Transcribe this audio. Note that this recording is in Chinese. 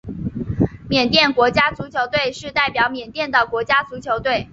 缅甸国家足球队是代表缅甸的国家足球队。